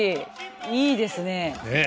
いいですねえ。